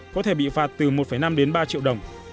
có thể bị phạt từ một năm đến ba triệu đồng